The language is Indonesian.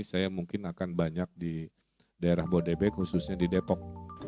saya mungkin akan banyak di daerah bodebek khususnya di depok